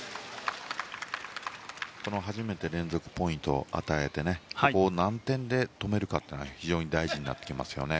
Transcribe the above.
初めて連続ポイントを与えてここ、何点で止めるかが非常に大事になりますね。